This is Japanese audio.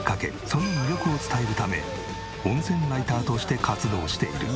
その魅力を伝えるため温泉ライターとして活動している。